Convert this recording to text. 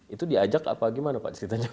itu diajak apa gimana pak ceritanya